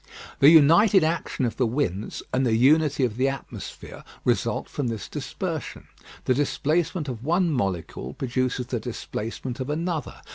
The united action of the winds and the unity of the atmosphere result from this dispersion. The displacement of one molecule produces the displacement of another.